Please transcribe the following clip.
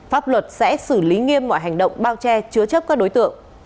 pháp luật sẽ xử lý nghiêm mọi hành động bao che chứa chấp các đối tượng